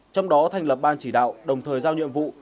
trong đó thành lập ban chỉ đạo đồng thời giao nhiệm vụ